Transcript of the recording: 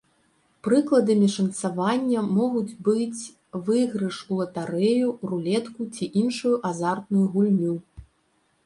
Прыкладамі шанцавання могуць быць выйгрыш у латарэю, рулетку ці іншую азартную гульню.